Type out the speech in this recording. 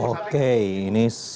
oke ini setengah enam pagi